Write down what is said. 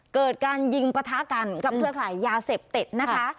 เกิดการยิงปะทะกันกับเครือขายยาเสพติดนะคะ